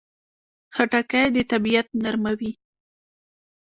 خټکی د طبعیت نرموي.